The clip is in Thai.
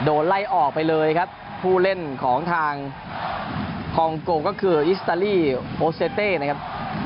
โดนไล่ออกไปเลยครับผู้เล่นของทางคองโกก็คืออิสตาลีโอเซเต้นะครับ